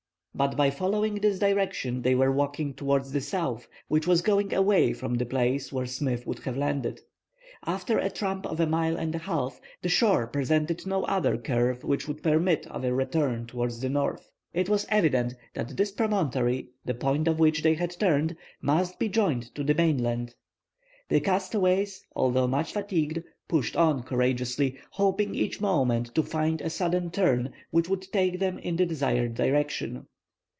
But by following this direction they were walking towards the south, which was going away from that place where Smith would have landed. After a tramp of a mile and a half, the shore presented no other curve which would permit of a return towards the north. It was evident that this promontory, the point of which they had turned, must be joined to the mainland. The castaways, although much fatigued, pushed on courageously, hoping each moment to find a sudden turn which would take them in the desired direction.